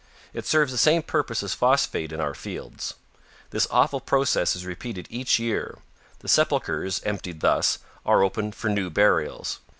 It serves the same purpose as phosphate in our fields. This awful process is repeated each year. The sepulchers, emptied thus, are open for new burials.